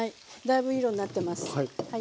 だいぶいい色になってます。